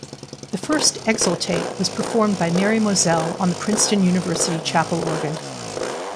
The first, "Exultate", was performed by Mary Mozelle on the Princeton University Chapel organ.